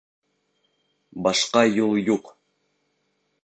— Башҡа юл юҡ.